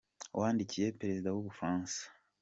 wandikiye Perezida w’u Bufaransa.